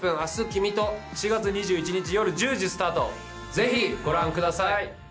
ぜひご覧ください